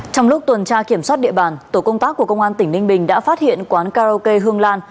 trong lúc tuần tra kiểm soát địa bàn tổ công tác của công an tỉnh ninh bình đã phát hiện quán karaoke hương lan